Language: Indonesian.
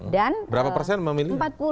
dan berapa persen memilih